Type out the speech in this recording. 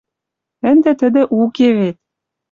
Ӹнде тӹдӹ уке вет...